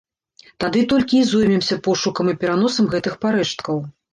Тады толькі і зоймемся пошукам і пераносам гэтых парэшткаў.